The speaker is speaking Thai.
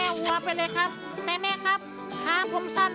และคู่อย่างฉันวันนี้มีความสุขจริง